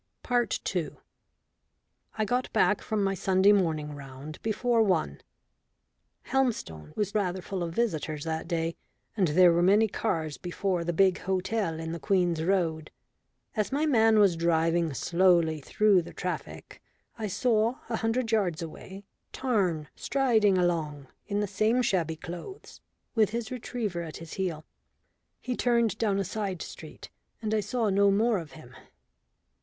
II I got back from my Sunday morning round before one. Helmstone was rather full of visitors that day, and there were many cars before the big hotel in the Queen's Road. As my man was driving slowly through the traffic I saw, a hundred yards away, Tarn striding along, in the same shabby clothes, with his retriever at his heel. He turned down a side street, and I saw no more of him.